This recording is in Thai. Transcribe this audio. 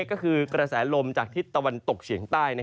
ก็คือกระแสลมจากทิศตะวันตกเฉียงใต้